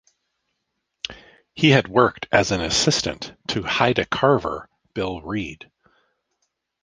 He had worked as an assistant to Haida carver Bill Reid.